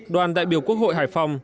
đoàn đại biểu quốc hội hải phòng